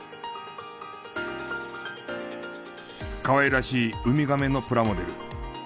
かわいらしいウミガメのプラモデル。